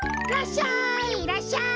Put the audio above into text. らっしゃい！